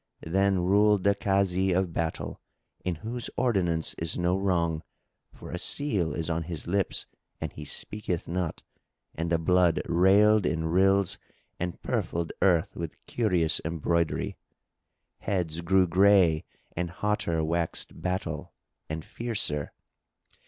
Then ruled the Kazi of Battle, in whose ordinance is no wrong, for a seal is on his lips and he speaketh not; and the blood railed in rills and purfled earth with curious embroidery; heads grew gray and hotter waxed battle and fiercer.